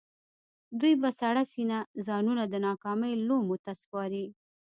دوی په سړه سينه ځانونه د ناکامۍ لومو ته سپاري.